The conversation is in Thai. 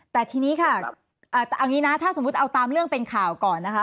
แต่ทีนี้ค่ะเอางี้นะถ้าสมมุติเอาตามเรื่องเป็นข่าวก่อนนะคะ